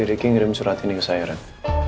si rikim ngirim surat ini ke siren